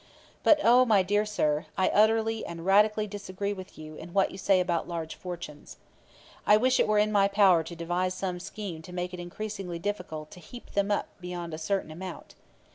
But oh, my dear sir, I utterly and radically disagree with you in what you say about large fortunes. I wish it were in my power to devise some scheme to make it increasingly difficult to heap them up beyond a certain amount.